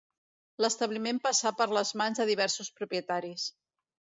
L'establiment passà per les mans de diversos propietaris.